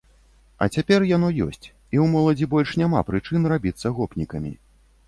А цяпер яно ёсць, і ў моладзі больш няма прычын рабіцца гопнікамі.